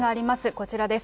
こちらです。